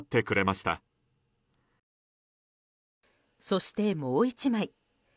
そして、もう１枚。